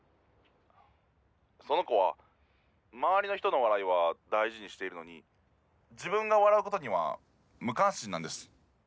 「その子は周りの人の笑いは大事にしているのに自分が笑う事には無関心なんです」